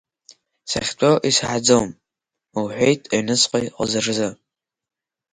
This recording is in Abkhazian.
Сахьтәоу исаҳаӡом, — лҳәеит аҩныҵҟа иҟаз рзын.